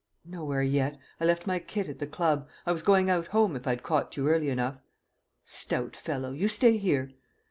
"Nowhere yet. I left my kit at the club. I was going out home if I'd caught you early enough." "Stout fellow! You stay here."